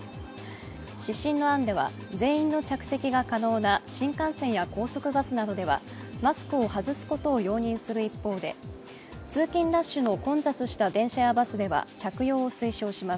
指針の案では全員の着席が可能な新幹線や高速バスなどではマスクを外すことを容認する一方で、通勤ラッシュの混雑した電車やバスでは着用を推奨します。